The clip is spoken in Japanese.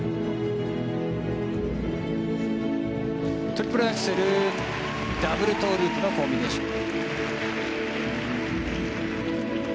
トリプルアクセルダブルトウループのコンビネーション。